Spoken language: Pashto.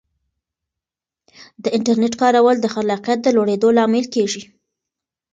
د انټرنیټ کارول د خلاقیت د لوړېدو لامل کیږي.